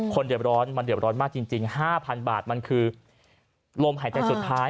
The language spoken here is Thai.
เด็บร้อนมันเดือบร้อนมากจริง๕๐๐๐บาทมันคือลมหายใจสุดท้าย